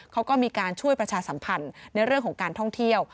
เขาก็มีการช่วยประชาสัมพันธ์ในเรื่องของการท่องเที่ยว